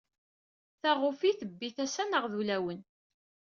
Taɣufi tbbi tasa nnɣ d ulawn.